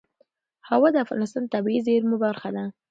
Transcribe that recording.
هوا د افغانستان د طبیعي زیرمو برخه ده.